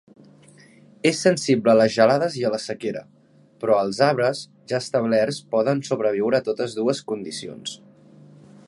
És sensible a les gelades i la sequera, però els arbres ja establerts poden sobreviure a totes dues condicions.